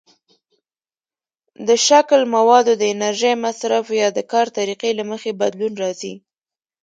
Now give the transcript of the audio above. د شکل، موادو، د انرژۍ مصرف، یا د کار طریقې له مخې بدلون راځي.